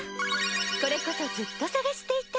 これこそずっと捜していた。